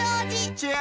チェア！